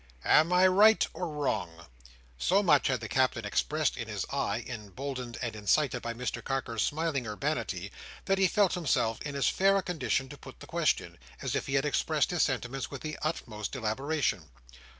Am I right or wrong?" So much had the Captain expressed in his eye, emboldened and incited by Mr Carker's smiling urbanity, that he felt himself in as fair a condition to put the question, as if he had expressed his sentiments with the utmost elaboration.